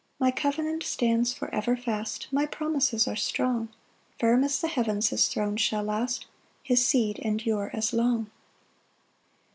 7 "My covenant stands for ever fast, "My promises are strong; "Firm as the heavens his throne shall last, "His seed endure as long."